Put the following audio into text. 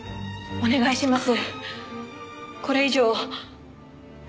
お願いします。